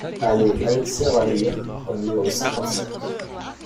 Allée Alexer Alire au numéro cinquante-cinq